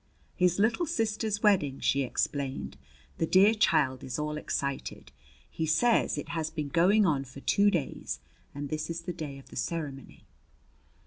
"His little sister's wedding!" she explained. "The dear child is all excited. He says it has been going on for two days and this is the day of the ceremony."